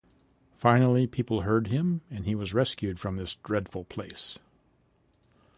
Finally people heard him and he was rescued from this dreadful place.